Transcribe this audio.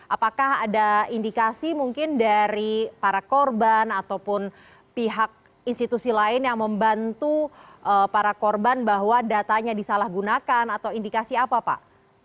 apakah ada indikasi mungkin dari para korban ataupun pihak institusi lain yang membantu para korban bahwa datanya disalahgunakan atau indikasi apa pak